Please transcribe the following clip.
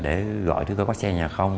để gọi tôi có xe nhà không